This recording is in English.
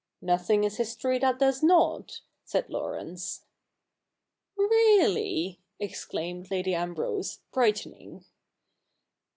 ' Nothing is history that does not,' said Laurence. 'Really,' exclaimed Lady Ambrose, brightening.